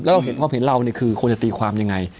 แล้วเราเห็นความเห็นเราเนี่ยคือควรจะตีความยังไง